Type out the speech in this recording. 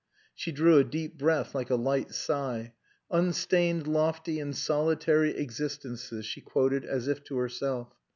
She drew a deep breath like a light sigh. "Unstained, lofty, and solitary existences," she quoted as if to herself.